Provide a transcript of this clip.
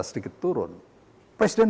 sedikit turun presiden